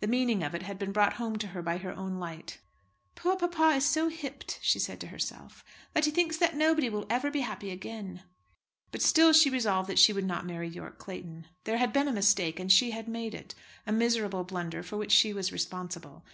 The meaning of it had been brought home to her by her own light. "Poor papa is so hipped," she said to herself, "that he thinks that nobody will ever be happy again." But still she resolved that she would not marry Yorke Clayton. There had been a mistake, and she had made it, a miserable blunder for which she was responsible.